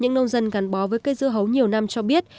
những nông dân gắn bó với cây dưa hấu nhiều năm cho biết